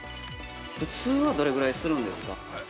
◆普通はどれぐらいするんですか。